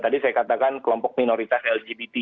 tadi saya katakan kelompok minoritas lgbt